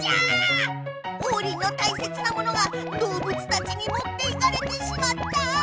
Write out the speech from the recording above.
オウリンのたいせつなものが動物たちにもっていかれてしまった。